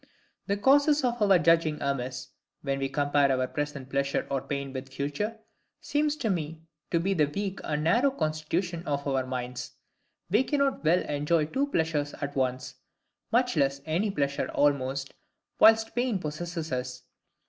The cause of our judging amiss, when we compare our present pleasure or pain with future, seems to me to be THE WEAK AND NARROW CONSTITUTION OF OUR MINDS. We cannot well enjoy two pleasures at once; much less any pleasure almost, whilst pain possesses us.